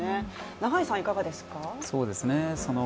永井さん、いかがですか？